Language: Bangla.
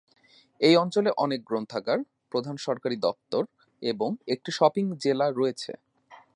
এই অঞ্চলে অনেক গ্রন্থাগার, প্রধান সরকারি দপ্তর এবং একটি শপিং জেলা রয়েছে।